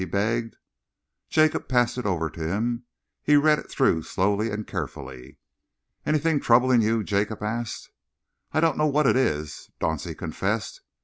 he begged. Jacob passed it over to him. He read it through slowly and carefully. "Anything troubling you?" Jacob asked. "I don't know what it is," Dauncey confessed.